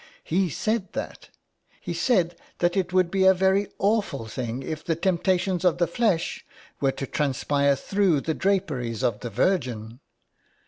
He said that. He said that it would be a very awful thing if the temptations of the flesh were to transpire through the draperies of the Virgin.